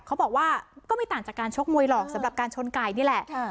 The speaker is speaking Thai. เขาบอกว่าก็ไม่ต่างจากการชกมวยหรอกสำหรับการชนไก่นี่แหละ